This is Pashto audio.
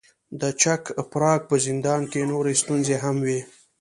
د چک پراګ په زندان کې نورې ستونزې هم وې.